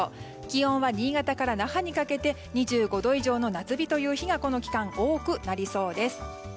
気温は新潟から那覇にかけて２５度以上の夏日という日がこの期間、多くなりそうです。